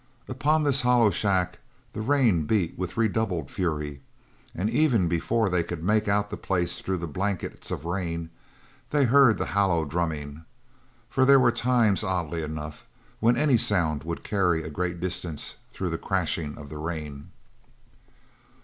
Upon this hollow shack the rain beat with redoubled fury, and even before they could make out the place through the blankets of rain, they heard the hollow drumming. For there were times, oddly enough, when any sound would carry a great distance through the crashing of the rain.